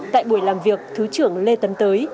tại buổi làm việc thứ trưởng lê tân tới